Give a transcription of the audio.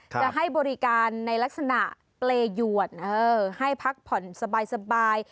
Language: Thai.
จะให้บริการในลักษณะเปรยวนให้พักผ่อนสบาย